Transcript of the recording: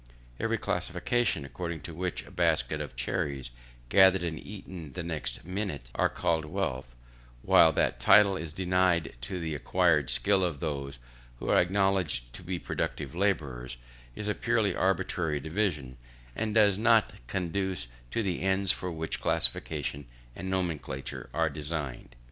Every classification according to which a basket of cherries, gathered and eaten the next minute, are called wealth, while that title is denied to the acquired skill of those who are acknowledged to be productive labourers, is a purely arbitrary division, and does not conduce to the ends for which classification and nomenclature are designed.